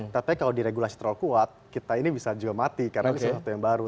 tapi kalau di regulasi terlalu kuat kita ini bisa juga mati karena ini sesuatu yang baru